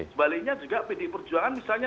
sebaliknya juga pdi perjuangan misalnya